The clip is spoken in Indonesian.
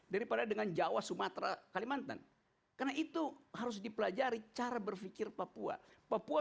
daripada dengan jawa sumatera kalimantan karena itu harus dipelajari cara berpikir papua papua